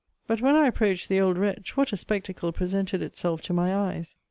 But when I approached the old wretch, what a spectacle presented itself to my eyes!